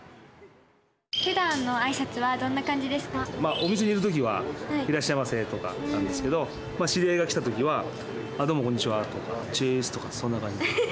お店にいる時は「いらっしゃいませ」とかなんですけど知り合いが来た時は「どうもこんにちは」とか「ちぃーす」とかそんな感じですね。